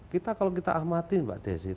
kita kalau kita amati mbak desi